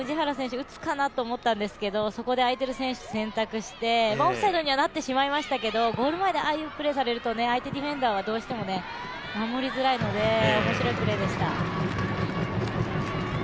打つかなと思ったんですけどそこで空いてる選手を選択して、オフサイドにはなってしまいましたけど、ゴール前でああいうプレーをされると相手ディフェンダーはどうしても守りづらいので面白いプレーでした。